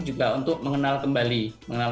juga untuk mengenal kembali